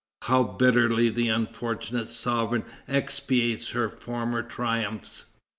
How bitterly the unfortunate sovereign expiates her former triumphs!